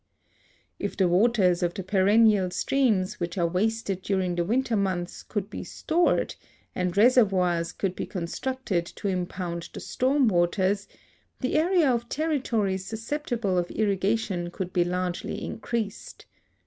If the waters of the perennial streams wiiich are wasted during the winter months could ))e stored and reservoirs could be con structed to impound tiie storm waters, the area of territory sus ceptible of irrigation could be largely increased.